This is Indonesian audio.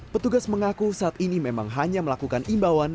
petugas mengaku saat ini memang hanya melakukan imbauan